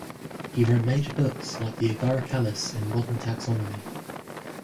He wrote major books like "The Agaricales in Modern Taxonomy".